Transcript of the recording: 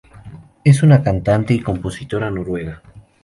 Es una cantante y compositora noruega.